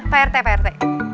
pak rt pak rt